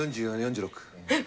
えっ？